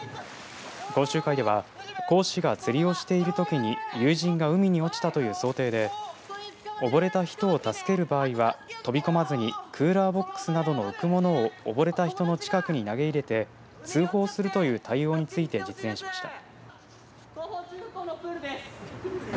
講習会では講師が釣りをしているときに友人が海に落ちたという想定で溺れた人を助ける場合は飛び込まずにクーラーボックスなどの浮くものを溺れた人の近くに投げ入れて通報するという対応について実演しました。